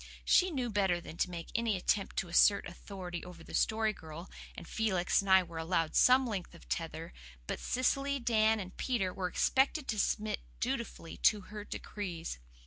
She knew better than to make any attempt to assert authority over the Story Girl, and Felix and I were allowed some length of tether; but Cecily, Dan, and Peter were expected to submit dutifully to her decrees.